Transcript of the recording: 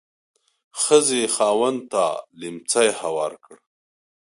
ښځې یې خاوند ته لیهمڅی هوار کړ.